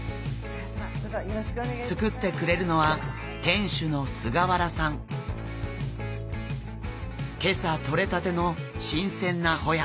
作ってくれるのは今朝とれたての新鮮なホヤ。